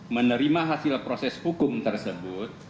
menerima hasil proses hukum tersebut